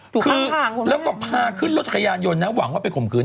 ถูกข้างคุณแม่งแล้วก็พาขึ้นรถขยานยนต์นะหวังว่าไปข่มขืน